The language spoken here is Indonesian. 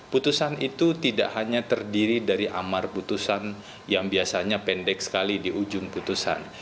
putusan itu tidak hanya terdiri dari amar putusan yang biasanya pendek sekali di ujung putusan